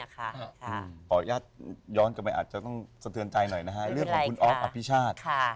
ตอบอนุญาตย้อนกลับมาอาจจะต้องสะเทินใจหน่อยนะคะ